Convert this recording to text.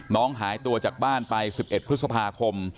น้องหายตัวจากบ้านไป๑๑พฤษภาคม